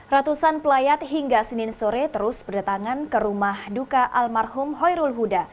ratusan pelayat hingga senin sore terus berdatangan ke rumah duka almarhum hoyrul huda